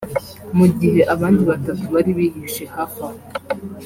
mu gihe abandi batatu bari bihishe hafi aho